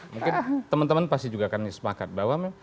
mungkin teman teman pasti juga akan semangat bahwa